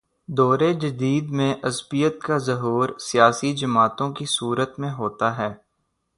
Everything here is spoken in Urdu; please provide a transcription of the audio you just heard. دور جدید میں عصبیت کا ظہور سیاسی جماعتوں کی صورت میں ہوتا ہے۔